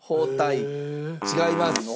違います。